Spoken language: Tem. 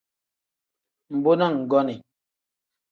Mbo na nggonii.